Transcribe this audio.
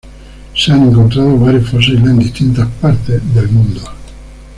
Se han encontrado varios fósiles en distintas partes mundo.